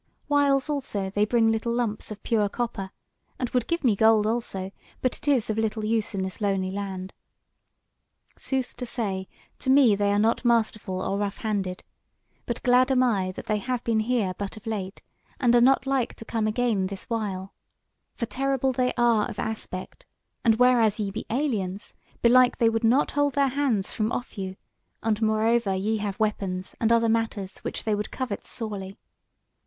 Whiles, also, they bring little lumps of pure copper, and would give me gold also, but it is of little use in this lonely land. Sooth to say, to me they are not masterful or rough handed; but glad am I that they have been here but of late, and are not like to come again this while; for terrible they are of aspect, and whereas ye be aliens, belike they would not hold their hands from off you; and moreover ye have weapons and other matters which they would covet sorely."